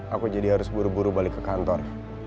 aku jadi harus buru buru balik ke kantor